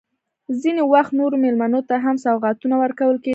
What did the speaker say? ځینې وخت نورو مېلمنو ته هم سوغاتونه ورکول کېدل.